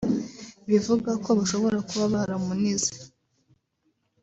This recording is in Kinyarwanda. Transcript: bivuga ko bashobora kuba baramunize